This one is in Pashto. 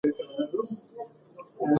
ولس کلمې د خپل ذوق سره سموي.